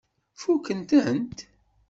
Fukkent-tent?